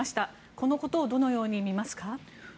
このことをどのように見ますか？